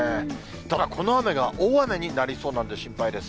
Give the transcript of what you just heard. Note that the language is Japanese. ただ、この雨が大雨になりそうなんで、心配です。